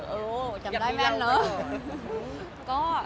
โอ้จำได้แม่นเนอะ